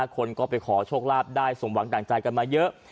คนก็ไปขอโชคลาภได้สมหวังดั่งใจกันมาเยอะ